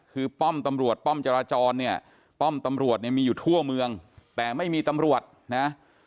คือป้อมตำรวจป้อมจราจรเนี่ยป้อมตำรวจเนี่ยมีอยู่ทั่วเมืองแต่ไม่มีตำรวจนะ